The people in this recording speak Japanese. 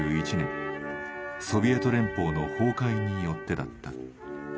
ソビエト連邦の崩壊によってだった。